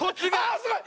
あすごい！